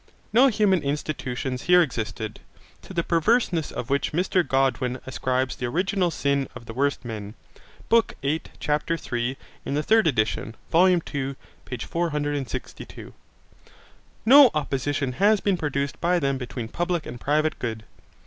No human institutions here existed, to the perverseness of which Mr Godwin ascribes the original sin of the worst men. (Bk VIII, ch. 3; in the third edition, Vol. II, p. 462) No opposition had been produced by them between public and private good.